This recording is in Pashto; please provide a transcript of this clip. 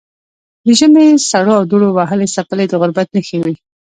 د ژمي سړو او دوړو وهلې څپلۍ د غربت نښې وې.